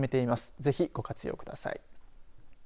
ぜひ、ご活用ください。